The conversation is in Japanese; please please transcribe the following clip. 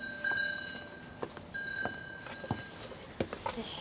よし。